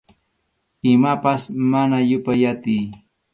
Imapas mana yupay atiy.